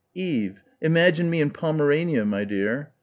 Eve, "Imagine me in Pomerania, my dear"